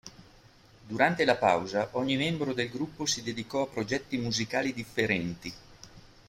Durante la pausa ogni membro del gruppo si dedicò a progetti musicali differenti.